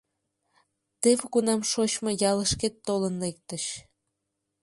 Теве кунам шочмо ялышкет толын лектыч.